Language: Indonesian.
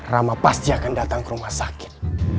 rama pasti akan datang ke rumah sakit